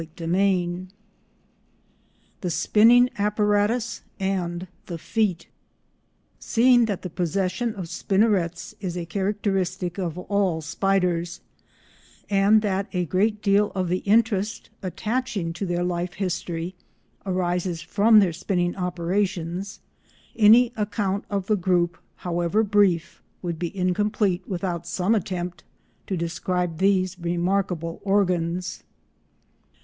CHAPTER XIII THE SPINNING APPARATUS, AND THE FEET Seeing that the possession of spinnerets is a characteristic of all spiders, and that a great deal of the interest attaching to their life history arises from their spinning operations, any account of the group, however brief, would be incomplete without some attempt to describe these remarkable organs.